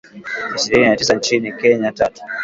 Ishirini na tisa nchini Kenya, tatu.